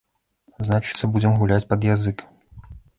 Значыцца, будзем гуляць пад язык.